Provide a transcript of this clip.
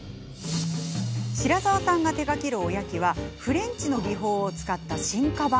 白澤さんが手がけるおやきはフレンチの技法を使った進化版。